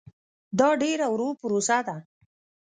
دا ډېره ورو پروسه ده.